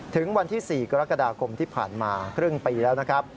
ถึงวันที่๔กรกฎาคมที่ผ่านมาครึ่งปีแล้วนะครับ